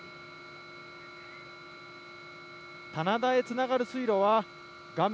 棚田へつながる水路は画面